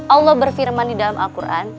allah berfirman di dalam al quran